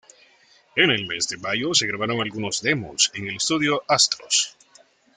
En el mes de mayo se grabaron algunos demos en el estudio Astros.